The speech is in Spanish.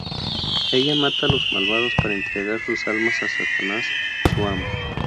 Ella mata a los malvados para entregar sus almas a Satanás, su amo.